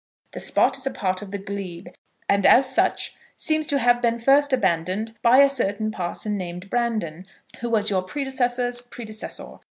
The spot is a part of the glebe, and as such seems to have been first abandoned by a certain parson named Brandon, who was your predecessor's predecessor.